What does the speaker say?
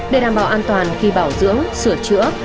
để đảm bảo an toàn khi bảo dưỡng sửa chữa